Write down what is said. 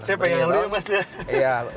saya pengen ini ya mas ya